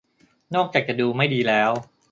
นอกจากจะดูไม่ดีแล้ว